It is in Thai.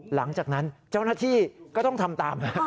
หลังจากนั้นเจ้าหน้าที่ก็ต้องทำตาม